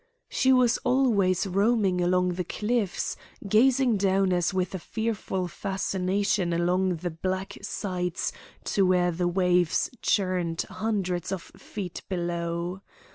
She was always roaming along the cliffs, gazing down as with a fearful fascination along the black sides to where the waves churned hundreds of feet below.